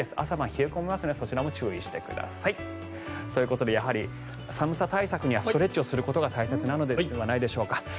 朝晩冷え込みますのでそちらも注意してください。ということでやはり寒さ対策にはストレッチをすることが大切ではないでしょうか。